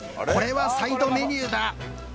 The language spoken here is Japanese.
これはサイドメニューだ。